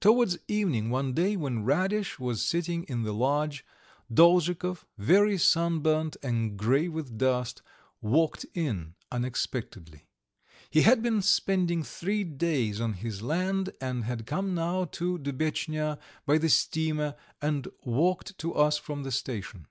Towards evening one day, when Radish was sitting in the lodge, Dolzhikov, very sunburnt and grey with dust, walked in unexpectedly. He had been spending three days on his land, and had come now to Dubetchnya by the steamer, and walked to us from the station.